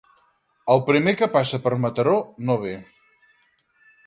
El primer que passa per Mataró no ve.